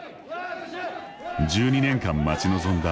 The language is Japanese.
１２年間待ち望んだ